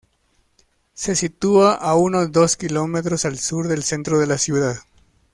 Se sitúa a unos dos kilómetros al sur del centro de la ciudad.